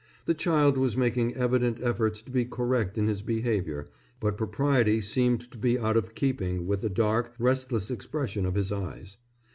The child was making evident efforts to be correct in his behavior, but propriety seemed to be out of keeping with the dark, restless expression of his eyes.